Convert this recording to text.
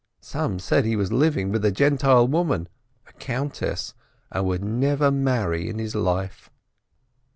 Some said he was living with a Gentile woman, a countess, and would never marry in his life."